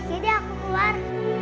jadi aku keluar